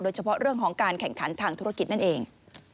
เฉพาะเรื่องของการแข่งขันทางธุรกิจนั่นเอง